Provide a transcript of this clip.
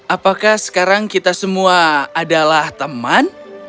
apakah sekarang kita semua adalah teman